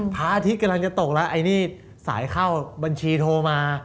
พระอาทิตย์กำลังจะตกแล้วไอ้นี่สายเข้าบัญชีโทรมา